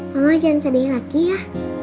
ma jangan sedih lagi ya